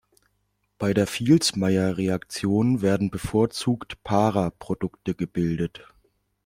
Bei der Vilsmeier-Reaktion werden bevorzugt "para"-Produkte gebildet.